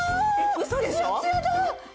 ウソでしょ！？